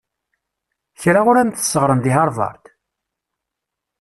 Kra ur am-t-sseɣren deg Havard?